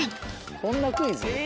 こんなクイズ？